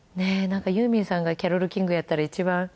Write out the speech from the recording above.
なんかユーミンさんがキャロル・キングやったら一番。